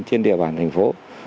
trên địa bàn thành phố